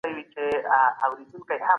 خاوند بايد له خپلي ميرمني څخه کرکه ونکړي